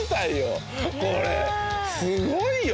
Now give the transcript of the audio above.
すごいよ！